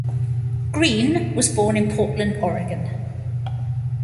Green was born in Portland, Oregon.